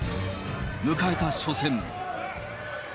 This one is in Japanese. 迎えた初戦。